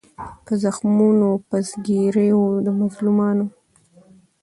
په زخمونو په زګیروي د مظلومانو